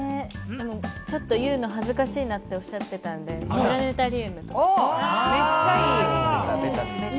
ちょっと言うの恥ずかしいなっておっしゃってたんで、プラネタリウム。